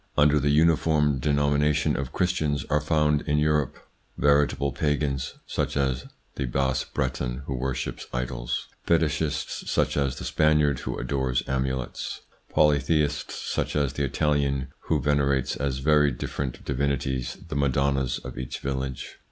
Under the uniform denomina tion of Christians are found in Europe veritable pagans, such as the Bas Breton who worships idols ; fetichists, such as the Spaniard who adores amulets ; polytheists, such as the Italian who venerates as very different divinities the madonnas of each village.